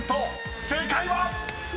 ［正解は⁉］